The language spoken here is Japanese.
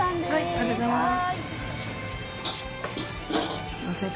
ありがとうございます。